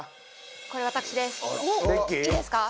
これ私ですいいですか？